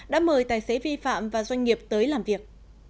đã mời tài xế vi phạm và doanh nghiệp tới làm việc